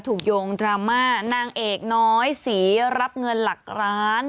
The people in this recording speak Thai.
โยงดราม่านางเอกน้อยศรีรับเงินหลักล้าน